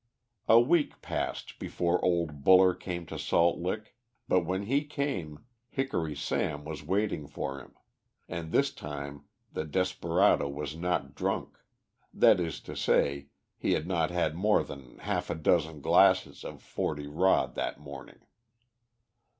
A week passed before old Buller came to Salt Lick, but when he came, Hickory Sam was waiting for him, and this time the desperado was not drunk, that is to say, he had not had more than half a dozen glasses of forty rod that morning.